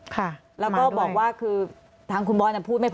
ค่ะมาด้วยแล้วก็บอกว่าคือทางคุณบอลน่ะพูดไม่พอ